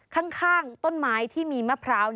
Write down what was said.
ข้างต้นไม้ที่มีมะพร้าว